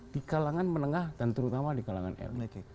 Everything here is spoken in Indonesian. di kalangan menengah dan terutama di kalangan elit